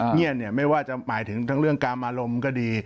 เงียบเนี่ยไม่ว่าจะหมายถึงทั้งเรื่องกามอารมณ์ก็ดี